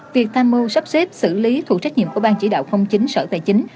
việc tham mưu sắp xếp xử lý thuộc trách nhiệm của ban chỉ đạo không chính sở tài chính